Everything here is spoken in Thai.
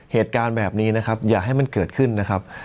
เหตุการณ์แบบนี้นะครับอย่าให้มันเกิดขึ้นนะครับ